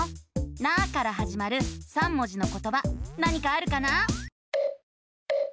「な」からはじまる３文字のことば何かあるかな？